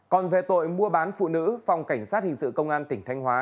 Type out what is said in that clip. còn về tội mua bán phụ nữ phòng cảnh sát hình sự công an tỉnh thanh hóa